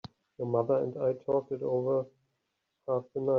Your mother and I talked it over half the night.